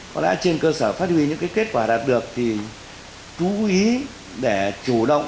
có đã trên cơ sở phát huy những cái kết quả đạt được thì chú ý để chủ động